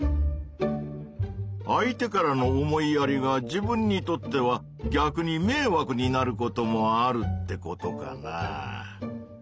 相手からの思いやりが自分にとっては逆にめいわくになることもあるってことかなぁ。